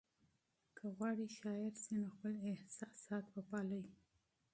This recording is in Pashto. که غواړئ شاعر شئ نو خپل احساسات وپالئ.